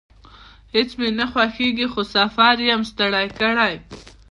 هیڅ مې نه خوښیږي، خو سفر یم ستړی کړی